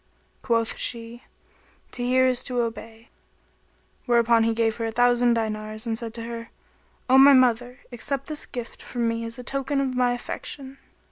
Quoth she, "To hear is to obey;" whereupon he gave her a thousand dinars and said to her, "O my mother! accept this gift from me as a token of my affection."